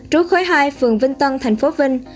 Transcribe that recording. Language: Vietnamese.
trú khối hai phường vinh tân thành phố vinh